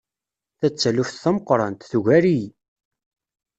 Ta d taluft tameqqrant! Tugar-iyi.